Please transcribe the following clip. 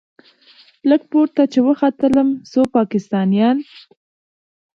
لږ پورته چې وختلم څو پاکستانيان.